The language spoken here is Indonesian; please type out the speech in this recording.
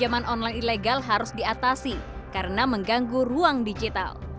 dan bahwa penjagaan pinjaman online ilegal harus diatasi karena mengganggu ruang digital